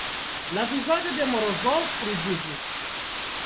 La vizaĝo de Morozov ruĝiĝis.